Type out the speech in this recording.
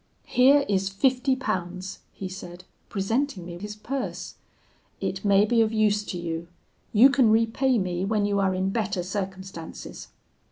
'Here is fifty pounds,' he said, presenting me his purse; 'it may be of use to you; you can repay me when you are in better circumstances.'